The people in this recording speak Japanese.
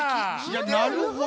なるほどち。